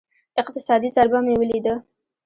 اقتصادي ضربه مې وليده.